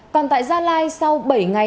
còn tại gia lai sau bảy ngày